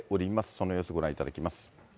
その様子ご覧いただきます。